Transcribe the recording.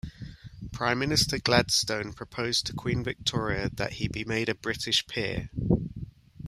Prime Minister Gladstone proposed to Queen Victoria that he be made a British peer.